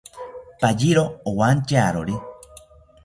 Payiro owantyawori